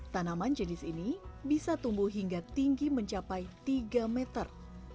tanaman jenis ini bisa tumbuh hingga tinggi mencapai tiga meter